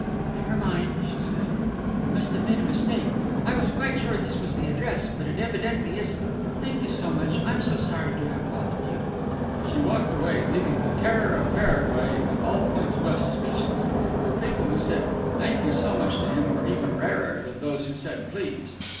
"Never mind," she said. "I must have made a mistake. I was quite sure that this was the address, but it evidently isn't. Thank you so much. I'm so sorry to have bothered you." She walked away, leaving the Terror of Paraguay and all points west speechless: for people who said "Thank you so much" to him were even rarer than those who said "please."